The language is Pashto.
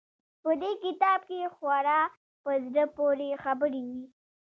په دې کتاب کښې خورا په زړه پورې خبرې وې.